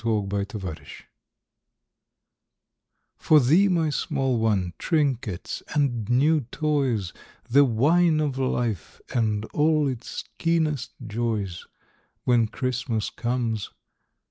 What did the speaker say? WHEN CHRISTMAS COMES For thee, my small one trinkets and new toys, The wine of life and all its keenest joys, When Christmas comes.